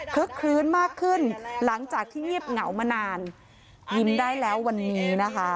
เพลิกครื้นมากขึ้นหลังจากที่เงีบเหงามานานยิ่มได้แล้ววันนี้